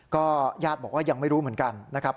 ก็ญาติบอกว่ายังไม่รู้เหมือนกันนะครับ